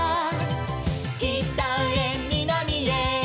「きたへみなみへ」